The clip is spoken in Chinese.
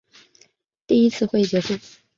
第一次会议结束。